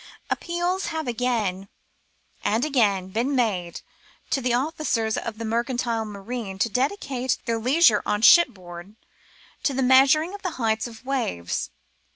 Appeals have again 130 OALm AND BEAa. and again been made to the officers of the mercantile marine to dedicate their leisure on shipboard to the measuring of the height of waves.